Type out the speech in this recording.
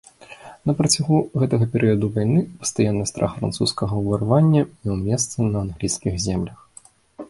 На працягу гэтага перыяду вайны пастаянны страх французскага ўварвання меў месца на англійскіх землях.